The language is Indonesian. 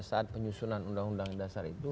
saat penyusunan undang undang dasar itu